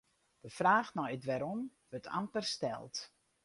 De fraach nei it wêrom wurdt amper steld.